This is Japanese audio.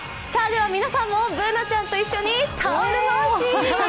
皆さんも、Ｂｏｏｎａちゃんと一緒にタオル回し！